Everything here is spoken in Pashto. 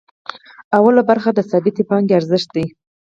لومړۍ برخه د ثابتې پانګې ارزښت دی